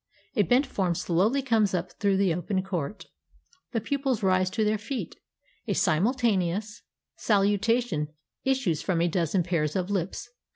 A bent form slowly comes up through the open court. The pupils rise to their feet. A simultaneous salutation issues from a dozen pairs "of lips.